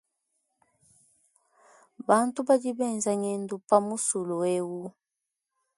Bantu badi benza ngendu pa musulu eu.